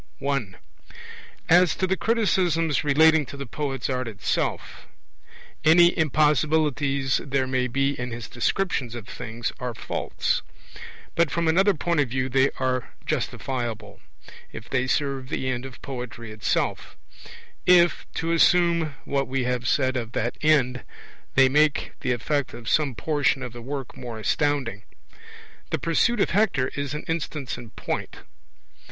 I. As to the criticisms relating to the poet's art itself. Any impossibilities there may be in his descriptions of things are faults. But from another point of view they are justifiable, if they serve the end of poetry itself if (to assume what we have said of that end) they make the effect of some portion of the work more astounding. The Pursuit of Hector is an instance in point.